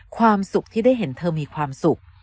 ความสุขที่ได้เห็นเธอมีความสุข